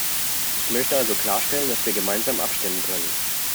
Ich möchte also klarstellen, dass wir gemeinsam abstimmen können.